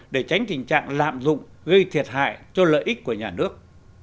để tránh tình trạng lạm dụng gây thiệt hại cho lợi ích của nhà nước